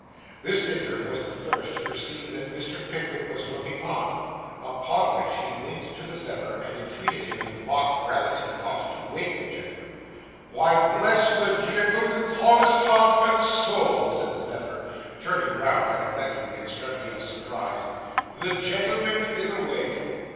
This figure was the first to perceive that Mr. Pickwick was looking on; upon which he winked to the Zephyr, and entreated him, with mock gravity, not to wake the gentleman. 'Why, bless the gentleman's honest heart and soul!' said the Zephyr, turning round and affecting the extremity of surprise; 'the gentleman is awake.